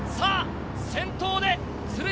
先頭で鶴見